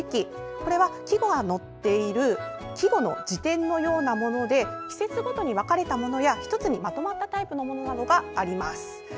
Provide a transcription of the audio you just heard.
これは季語が載っている季語の辞典のようなもので季節ごとに分かれたものや１つにまとまったタイプのものなどがあります。